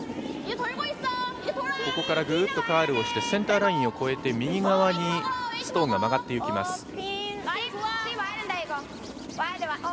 ここからぐっとカールをしてセンターラインを越えて右側にストーンが曲がっていきます。